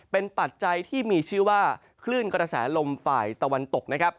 เป็นปัจจัยที่มีชื่อว่าคลื่นกระแสลมฝ่ายตะวันตกนะครับ